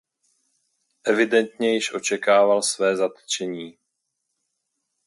Evidentně již očekával své zatčení.